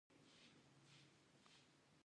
پولې پخوا دښمن ګڼل کېدې.